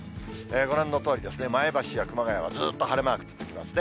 ご覧のとおり、前橋や熊谷はずっと晴れマーク続きますね。